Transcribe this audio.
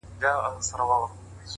څومره چي يې مينه كړه،